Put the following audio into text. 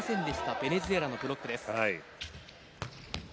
ベネズエラのブロックです。